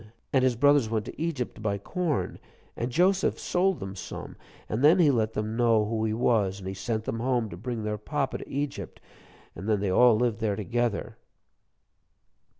And his brothers went to Egypt to buy corn, and Joseph sold them some, and then he let them know who he was. And he sent them home to bring their papa to Egypt, and then they all lived there together."